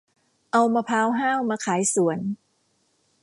เอามะพร้าวห้าวมาขายสวน